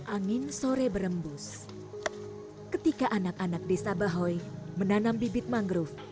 angin sore berembus ketika anak anak desa bahoy menanam bibit mangrove